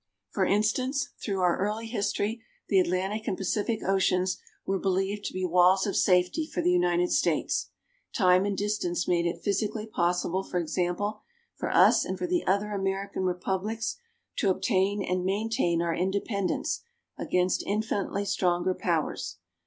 For instance, through our early history the Atlantic and Pacific Oceans were believed to be walls of safety for the United States. Time and distance made it physically possible, for example, for us and for the other American Republics to obtain and maintain our independence against infinitely stronger powers.